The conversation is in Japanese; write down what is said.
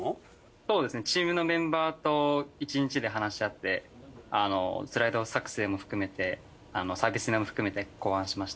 そうですねチームのメンバーと１日で話し合ってスライド作成も含めてサービス内容も含めて考案しました。